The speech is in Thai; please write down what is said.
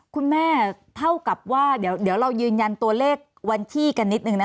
คุณแม่เท่ากับว่าเดี๋ยวเดี๋ยวเรายืนยันตัวเลขวันที่กันนิดหนึ่งนะคะ